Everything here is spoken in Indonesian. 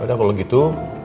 ya udah kalau gitu